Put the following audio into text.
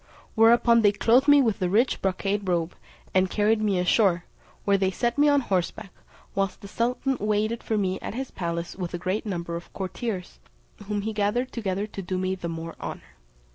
Whereupon they clothed me with the rich brocade robe, and carried me ashore, where they set me on horseback, whilst the sultan waited for me at his palace with a great number of courtiers, whom he gathered together to do me the more honour.